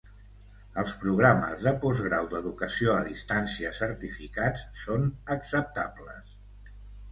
Els programes de postgrau d"educació a distància certificats són acceptables.